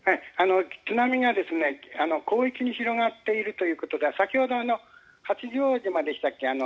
津波が広域に広がっているということが先ほど八丈島でしたっけ